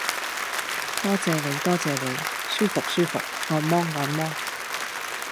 多謝你多謝你，舒服舒服，按摩按摩